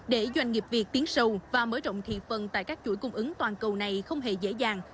để doanh nghiệp việt tiến sâu và mở rộng thị phần tại các chuỗi cung ứng toàn cầu này không hề dễ dàng